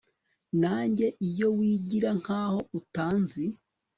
Nanga iyo wigira nkaho utanzi